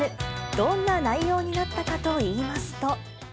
どんな内容になったかといいますと。